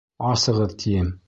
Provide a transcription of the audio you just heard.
Асығыҙ, тием!